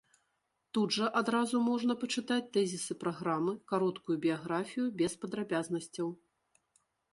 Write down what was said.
Тут жа адразу можна пачытаць тэзісы праграмы, кароткую біяграфію без падрабязнасцяў.